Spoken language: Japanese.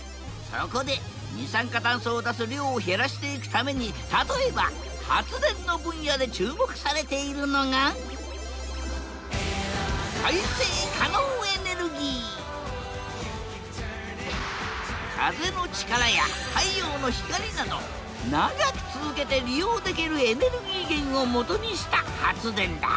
そこで二酸化酸素を出す量を減らしていくために例えば発電の分野で注目されているのが風の力や太陽の光など長く続けて利用できるエネルギー源をもとにした発電だ。